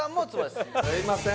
すいません